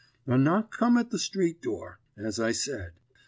A knock come at the street door, as I said.